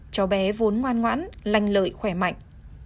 cháu bé vốn ngoan ngoãn lành lợi khỏe mạnh